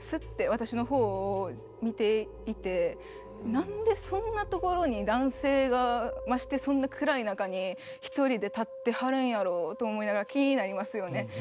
何でそんな所に男性がましてそんな暗い中に１人で立ってはるんやろうと思いながら気になりますよね。